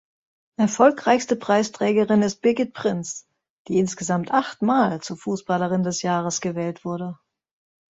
Erfolgreichste Preisträgerin ist Birgit Prinz, die insgesamt achtmal zur Fußballerin des Jahres gewählt wurde.